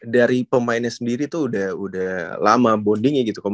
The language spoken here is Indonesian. dari pemainnya sendiri tuh udah lama bondingnya gitu